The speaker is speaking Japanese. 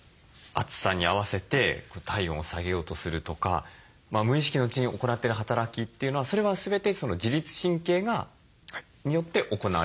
暑さに合わせて体温を下げようとするとか無意識のうちに行ってる働きというのはそれは全て自律神経によって行われている？